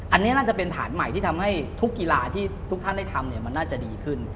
อันนี้น่าจะเป็นฐานใหม่ที่ทำให้ทุกกีฬาที่ทุกท่านได้ทำมันน่าจะดีขึ้น